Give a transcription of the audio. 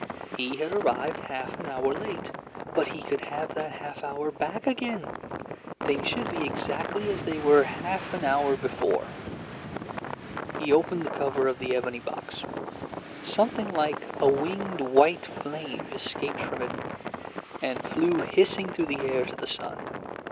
He had arrived half an hour late, but he could have that half hour back again! Things should be exactly as they were half an hour before. He opened the cover of the ebony box. Something like a winged white flame escaped from it, and flew hissing through the air to the sun.